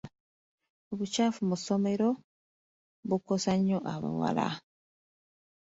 Obukyafu mu masomero bikosa nnyo abawala.